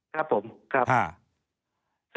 ครับผมครับ